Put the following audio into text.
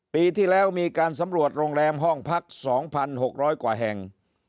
ปีที่แล้วมีการสำรวจโรงแรมห้องพัก๒๖๐๐กว่าแห่ง